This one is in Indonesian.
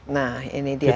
nah ini dia